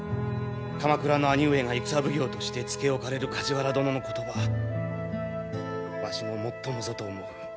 鎌倉の兄上が軍奉行としてつけおかれる梶原殿の言葉わしももっともぞと思う。